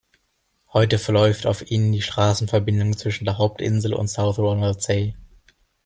Heute verläuft auf ihnen die Straßenverbindung zwischen der Hauptinsel und South Ronaldsay.